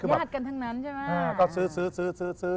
ยาดกันทั้งนั้นใช่ไหมฮะฮ่าฮ่าก็ซื้อ